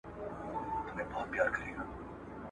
د جومات سړی په جومات کي لټوه ..